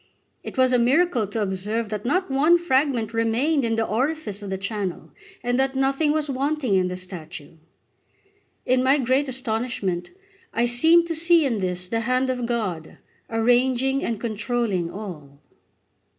It was a miracle to observe that not one fragment remained in the orifice of the channel, and that nothing was wanting to the statue. In my great astonishment I seemed to see in this the hand of God arranging and controlling all.